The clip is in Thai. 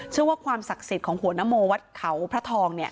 เชื่อว่าความศักดิ์สิทธิ์ของหัวหน้าโมวัดเขาพระทอง